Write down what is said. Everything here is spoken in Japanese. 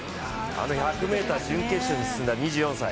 あの１００ｍ準決勝に進んだ。